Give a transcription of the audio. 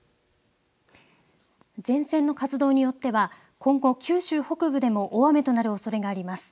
前線の活動によっては今後、九州北部でも大雨となるおそれがあります。